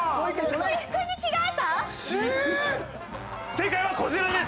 正解はこちらです。